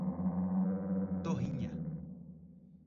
Torrinha